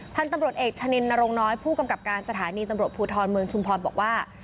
พันธุ์ตำรวจเอกชะนินนรงน้อยผู้กำกับการสถานีตำรวจภูทรเมืองชุมพรบอกว่า